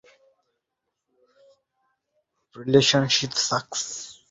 শুনেছি দুর্ভাগ্য দীর্ঘস্থায়ী হতে পারে।